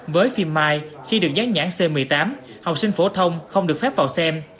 với phim mai khi được gián nhãn c một mươi tám học sinh phổ thông không được phép vào xem